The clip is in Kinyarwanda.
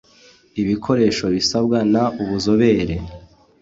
ibikoresho bisabwa n ubuzobere